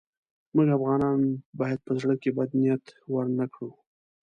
موږ افغانان باید په زړه کې بد نیت ورنه کړو.